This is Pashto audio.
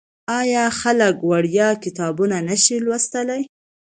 آیا خلک وړیا کتابونه نشي لوستلی؟